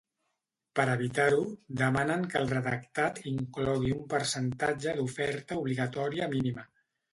Per evitar-ho, demanen que el redactat inclogui un percentatge d’oferta obligatòria mínima.